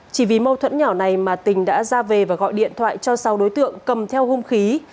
chỉ vì mâu thuẫn nhỏ này mà tình đã ra về và gọi điện thoại cho sáu đối tượng cầm theo hung khí